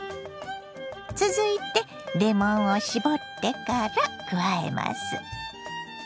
続いてレモンを搾ってから加えます。